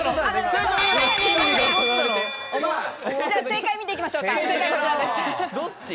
正解、見ていきましょうか。